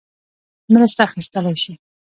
مرسته اخیستلای شي.